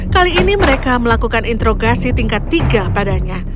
kali ini mereka melakukan interogasi tingkat tiga padanya